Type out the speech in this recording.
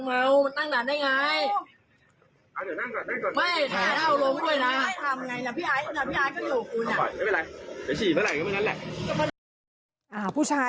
คนที่ใส่เชื้อบอกว่า